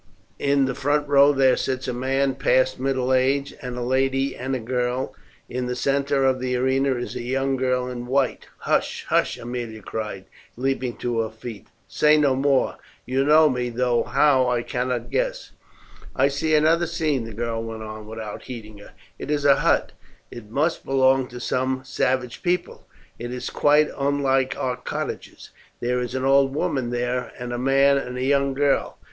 In the front row there sits a man past middle age and a lady and a girl. In the centre of the arena is a young girl in white." "Hush, hush!" Aemilia cried, leaping to her feet, "say no more. You know me, though how I cannot guess." "I see another scene," the girl went on without heeding her; "it is a hut. It must belong to some savage people. It is quite unlike our cottages. There is an old woman there and a man and a young girl.